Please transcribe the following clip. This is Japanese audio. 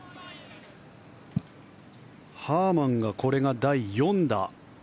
ハーマンがこれが第４打。